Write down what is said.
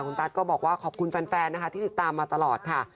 คุณตั๊ดก็บอกว่าขอบคุณแฟนนะคะที่ติดตามมาตลอดค่ะ